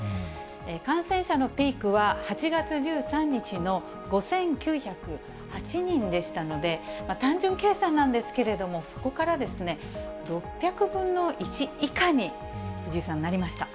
感染者のピークは８月１３日の５９０８人でしたので、単純計算なんですけれども、そこからですね、６００分の１以下に藤井さん、なりました。